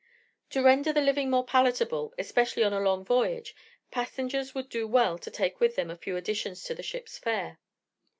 To render the living more palatable, especially on a long voyage, passengers would do well to take with them a few additions to the ship's fare.